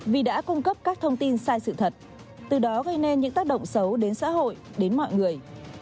vì đã cung cấp các thông tin sai sự thật từ đó gây nên những tác động xấu đến xã hội đến mọi người